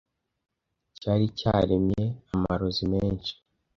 cyari cyaremye amarozi menshi